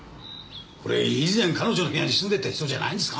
これ以前彼女の部屋に住んでた人じゃないんですか？